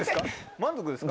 満足ですか？